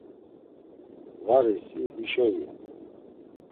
Varisi hişo iyen.